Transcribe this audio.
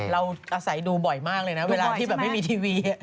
เราอาศัยดูบ่อยมากเลยนะเวลาที่แบบไม่มีทีวี